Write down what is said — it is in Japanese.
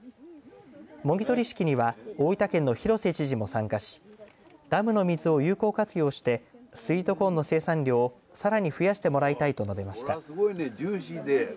もぎ取り式には大分県の広瀬知事も参加しダムの水を有効活用してスイートコーンの生産量をさらに増やしてもらいたいと述べました。